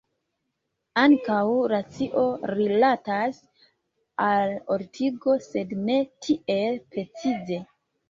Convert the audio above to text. Ankaŭ racio rilatas al ordigo, sed ne tiel precize.